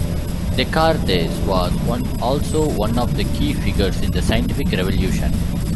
Descartes was also one of the key figures in the scientific revolution.